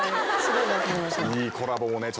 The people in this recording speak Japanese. いいコラボもね